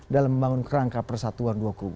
dalam membangun kerangka persatuan dua kubu